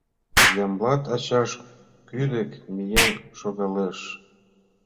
Ямблат ачаж кӱдык миен шогалеш.